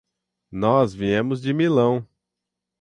Nós viemos de Milão.